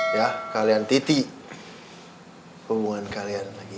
ya kalian titik hubungan kalian lagi ya